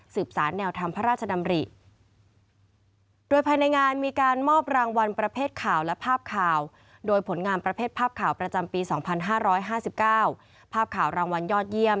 สืบสารแนวธรรมพระราชดำริ